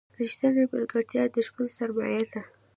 رښتینې ملګرتیا د ژوند سرمایه ده.